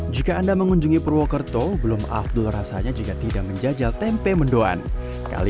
jika anda mengunjungi purwokerto belum afdul rasanya jika tidak menjajal tempe mendoan kali